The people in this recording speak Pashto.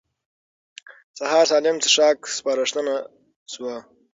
سهار سالم څښاک سپارښتنه شوه.